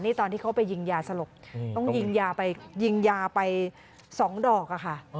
นี่ตอนที่เขาไปยิงยาสลบต้องยิงยาไปยิงยาไป๒ดอกค่ะ